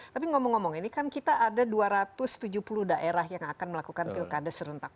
tapi ngomong ngomong ini kan kita ada dua ratus tujuh puluh daerah yang akan melakukan pilkada serentak